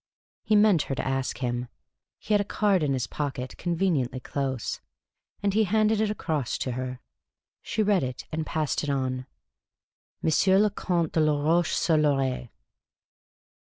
He meant her to ask him. He had a card in his pocket, con veniently close ; and he handed it across to her. She read it, and passed it on :" M. le Comte de Laroche sur Loiret."